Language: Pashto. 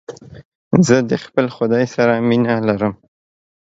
زه د خپل خداى سره مينه لرم.